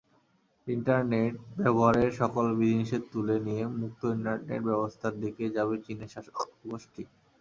Internet ব্যবহারের সকল বিধিনিষেধ তুলে নিয়ে মুক্ত ইন্টারনেট ব্যবস্থার দিকেই যাবে চীনের শাসকগোষ্ঠী।